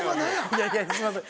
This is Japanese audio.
いやいやすいません。